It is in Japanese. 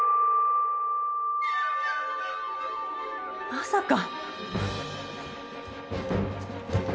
まさか！